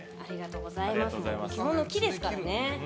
基本のきですからね。